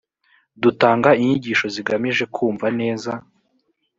dutanga inyigisho zigamije kumva neza.